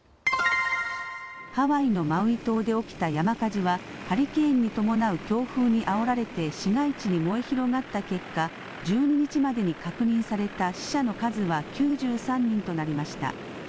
ハワイのマウイ島で起きた山火事はハリケーンに伴う強風にあおられて市街地に燃え広がった結果、１２日までに確認された死者の数は９３人となりました。